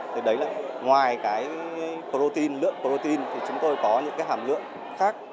thì đấy là ngoài cái protein lượng protein thì chúng tôi có những cái hàm lượng khác